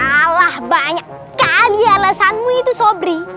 alah banyak kali alasanmu itu sobri